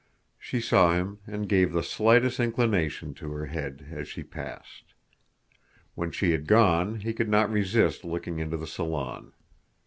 She saw him and gave the slightest inclination to her head as she passed. When she had gone, he could not resist looking into the salon.